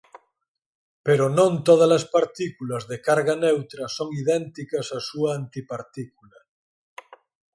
Pero non tódalas partículas de carga neutra son idénticas a súa antipartícula.